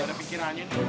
ada pikirannya nih